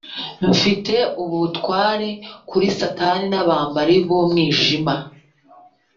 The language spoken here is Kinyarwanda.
Mfite ubutwari kuri satani nabambari bumwijima